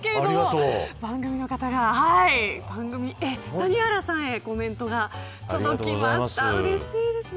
谷原さんへコメントがうれしいですね。